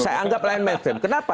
saya anggap lain mainstream kenapa